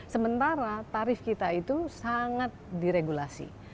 sementara tarif kita itu sangat diregulasi